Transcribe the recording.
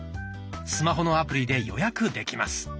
スマホのアプリで予約できます。